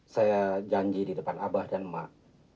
saya janji di depan abah dan emak